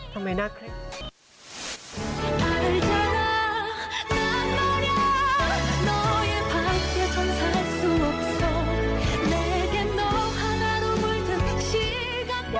ทำไมหน้าคลิป